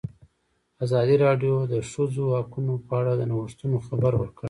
ازادي راډیو د د ښځو حقونه په اړه د نوښتونو خبر ورکړی.